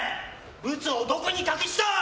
ブツをどこに隠した！